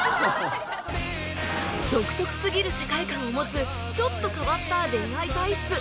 独特すぎる世界観を持つちょっと変わった恋愛体質